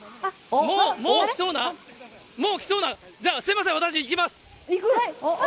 もうきそうな、もうきそうな、じゃあ、すみません、私行きます。